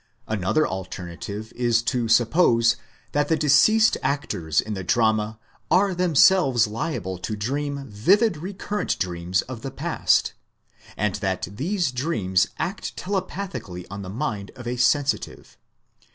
Another alternative is to suppose that the deceased actors in the drama are themselves liable to dream vivid recurrent dreams of the past, and that these dreams act telepathically on the mind of a sensitive.